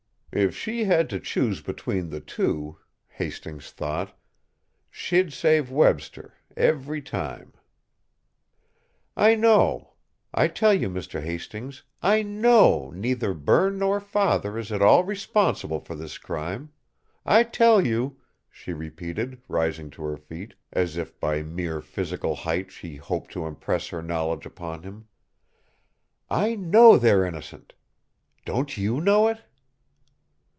"If she had to choose between the two," Hastings thought, "she'd save Webster every time!" "I know I tell you, Mr. Hastings, I know neither Berne nor father is at all responsible for this crime. I tell you," she repeated, rising to her feet, as if by mere physical height she hoped to impress her knowledge upon him, "I know they're innocent. Don't you know it?"